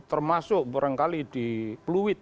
termasuk barangkali di pluit